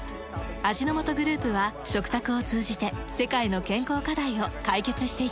味の素グループは食卓を通じて世界の健康課題を解決していきます。